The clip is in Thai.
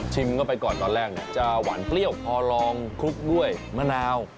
เข้าไปก่อนตอนแรกจะหวานเปรี้ยวพอลองคลุกด้วยมะนาว